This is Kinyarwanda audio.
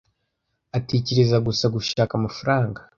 Atekereza gusa gushaka amafaranga.